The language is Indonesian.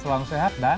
selalu sehat dan